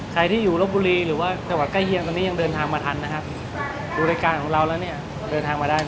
ใครที่อยู่ระบุรีหรือว่าแข่งก็ยเฮียงตอนนี้ยังเดินทางมะทันบุริการของเรานี่เดินทางมาได้หน่อย